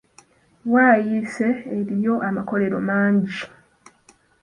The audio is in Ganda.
Bwayiise eriyo amakolero mangi.